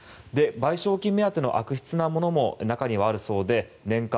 賠償金目当ての悪質なものも中にはあるそうで年間